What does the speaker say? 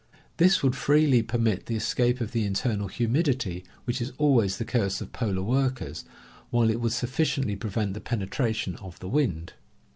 This would freely permit the escape of the internal humidity, which is always the curse of polar workers, while it would sufficiently prevent the penetra tion of the wind.